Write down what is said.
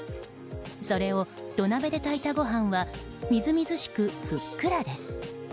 それを土鍋で炊いたご飯はみずみずしくふっくらです。